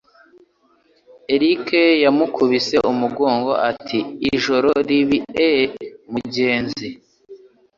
Eric yamukubise umugongo, ati: "Ijoro ribi, eh mugenzi?"